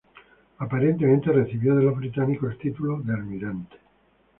Aparentemente recibió de los británicos el título de Almirante.